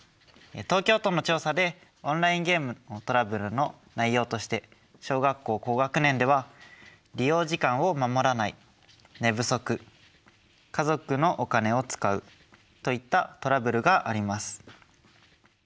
東京都の調査でオンラインゲームのトラブルの内容として小学校高学年では利用時間を守らない寝不足家族のお金を使うといったトラブルがあります。